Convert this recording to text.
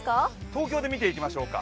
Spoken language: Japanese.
東京で見ていきましょうか。